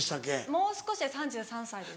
もう少しで３３歳です。